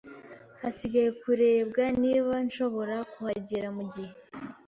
Hasigaye kurebwa niba nshobora kuhagera mugihe.